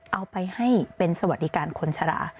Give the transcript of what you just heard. เอาไปให้เป็นสวัสดิการคนชะลา